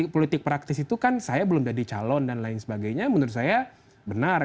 politik praktis itu kan saya belum jadi calon dan lain sebagainya menurut saya benar